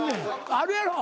あるやろ？